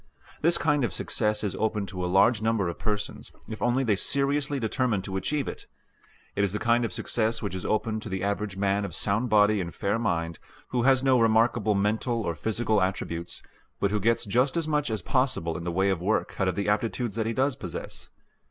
This kind of success is open to a large number of persons, if only they seriously determine to achieve it. It is the kind of success which is open to the average man of sound body and fair mind, who has no remarkable mental or physical attributes, but who gets just as much as possible in the way of work out of the aptitudes that he does possess.